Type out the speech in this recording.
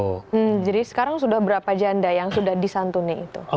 hmm jadi sekarang sudah berapa janda yang sudah disantuni itu